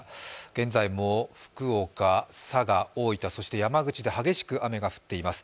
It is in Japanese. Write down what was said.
現在も福岡、佐賀、大分そして山口で激しく雨が降っています。